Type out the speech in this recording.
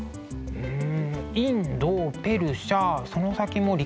うん。